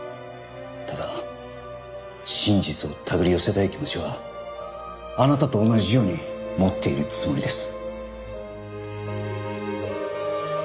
ただ真実をたぐり寄せたい気持ちはあなたと同じように持っているつもりです。